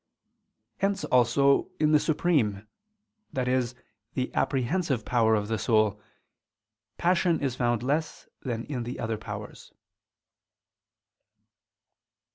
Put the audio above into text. Hence also, in the supreme, i.e. the apprehensive, power of the soul, passion is found less than in the other powers.